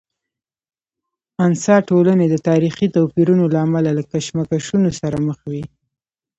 انسا ټولنې د تاریخي توپیرونو له امله له کشمکشونو سره مخ وي.